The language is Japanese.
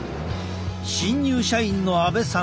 新入社員の阿部さん。